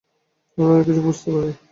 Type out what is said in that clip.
আমি অনেক কিছুই বুঝতে পারি।